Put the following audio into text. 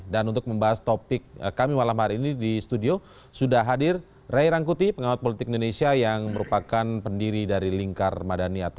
dan untuk membahas topik kami malam hari ini di studio sudah hadir ray rangkuti pengawas politik indonesia yang merupakan pendiri dari lingkar madani ato lima